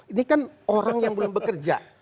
ini kan orang yang belum bekerja